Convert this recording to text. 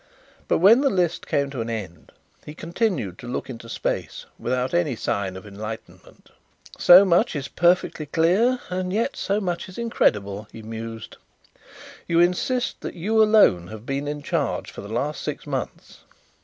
But when the list came to an end he continued to look into space without any sign of enlightenment. "So much is perfectly clear and yet so much is incredible," he mused. "You insist that you alone have been in charge for the last six months?"